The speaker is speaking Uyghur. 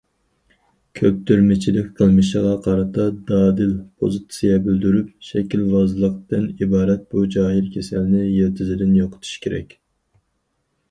كۆپتۈرمىچىلىك قىلمىشىغا قارىتا دادىل پوزىتسىيە بىلدۈرۈپ، شەكىلۋازلىقتىن ئىبارەت بۇ جاھىل كېسەلنى يىلتىزىدىن يوقىتىش كېرەك.